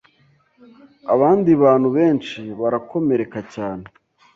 abandi bantu benshi barakomereka cyane